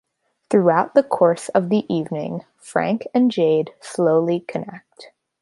Throughout the course of the evening, Frank and Jade slowly connect.